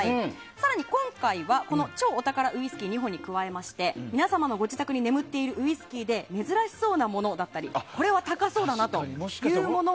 更に、今回は超お宝ウイスキー２本に加えて皆さんのご自宅に眠っているウイスキーで珍しいものだったりこれは高そうだなというものを。